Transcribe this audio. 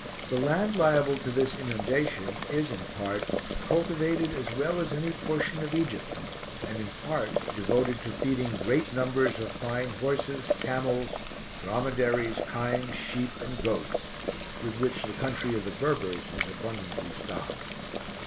The land liable to this inundation is in part cultivated as well as any portion of Egypt, and in part devoted to feeding great numbers of fine horses, camels, dromedaries, kine, sheep, and goats, with which the country of the Berbers is abundantly stocked.